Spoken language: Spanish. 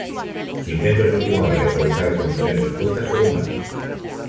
Sus intentos de última hora de suavizar las condiciones impuestas fueron vanos.